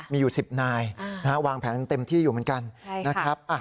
มีอยู่๑๐นายวางแผนกันเต็มที่อยู่เหมือนกันนะครับ